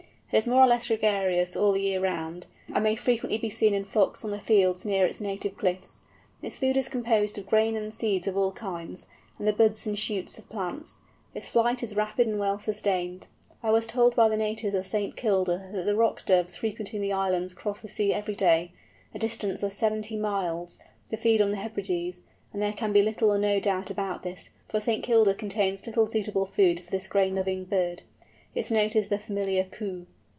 It is more or less gregarious all the year round, and may frequently be seen in flocks on the fields near its native cliffs. Its food is composed of grain and seeds of all kinds, and the buds and shoots of plants. Its flight is rapid and well sustained. I was told by the natives of St. Kilda that the Rock Doves frequenting the islands cross the sea every day—a distance of seventy miles—to feed on the Hebrides, and there can be little or no doubt about this, for St. Kilda contains little suitable food for this grain loving bird. Its note is the familiar coo.